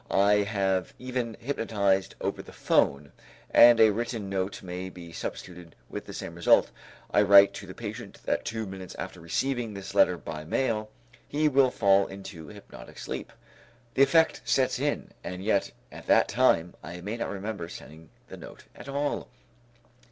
I have even hypnotized over the telephone; and a written note may be substituted with the same result. I write to the patient that two minutes after receiving this letter by mail, he will fall into hypnotic sleep. The effect sets in; and yet at that time, I may not remember sending the note at all.